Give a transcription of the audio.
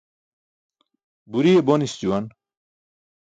Buriye bonis juwan.